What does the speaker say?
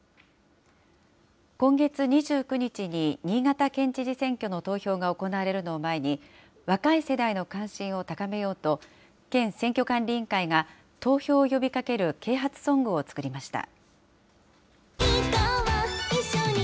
今月２９日に新潟県知事選挙の投票が行われるのを前に、若い世代の関心を高めようと、県選挙管理委員会が、投票を呼びかける啓発ソングを作りました。